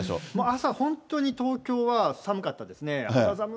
朝、本当に東京は寒かったですね。